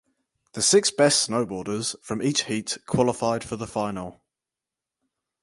The six best snowboarders from each heat qualified for the final.